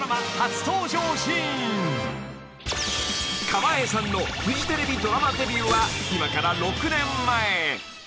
［川栄さんのフジテレビドラマデビューは今から６年前］